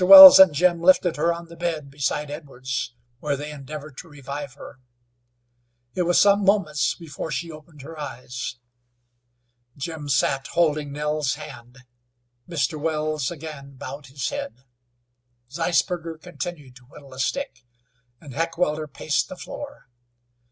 Wells and Jim lifted her on the bed beside Edwards, where they endeavored to revive her. It was some moments before she opened her eyes. Jim sat holding Nell's hand. Mr. Wells again bowed his head. Zeisberger continued to whittle a stick, and Heckewelder paced the floor.